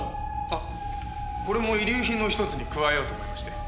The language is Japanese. あっこれも遺留品の一つに加えようと思いまして。